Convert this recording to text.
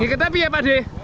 gak kaya tapi ya pak d